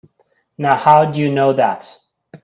Now how'd you know that?